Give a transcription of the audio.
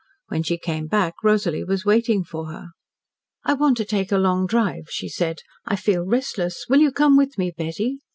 When she came back Rosalie was waiting for her. "I want to take a long drive," she said. "I feel restless. Will you come with me, Betty?"